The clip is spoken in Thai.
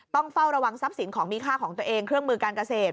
ต้องเฝ้าระวังทรัพย์สินของมีค่าของตัวเองเครื่องมือการเกษตร